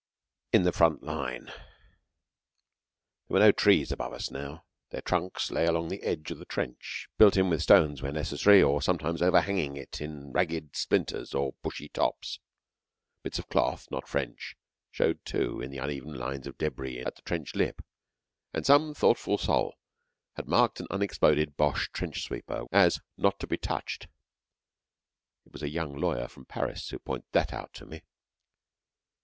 IN THE FRONT LINE There were no trees above us now. Their trunks lay along the edge of the trench, built in with stones, where necessary, or sometimes overhanging it in ragged splinters or bushy tops. Bits of cloth, not French, showed, too, in the uneven lines of debris at the trench lip, and some thoughtful soul had marked an unexploded Boche trench sweeper as "not to be touched." It was a young lawyer from Paris who pointed that out to me.